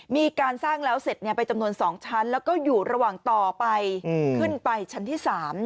มีการสร้างแล้วเสร็จไปจำนวน๒ชั้นแล้วก็อยู่ระหว่างต่อไปขึ้นไปชั้นที่๓